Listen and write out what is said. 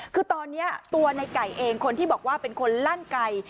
คือตอนนี้ตัวในไก่เองคนที่บอกว่าเป็นคนลั่นไก่